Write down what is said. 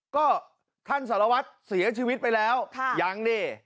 ก็ท่านสารวัตรเสียชีวิตไปแล้วยังดิ